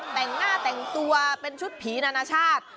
แต่งหน้าแต่งตัวเป็นชุดผีนานาชาติ